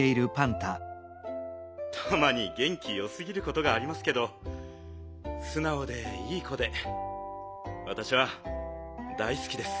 たまにげん気よすぎることがありますけどすなおでいい子でわたしは大すきです。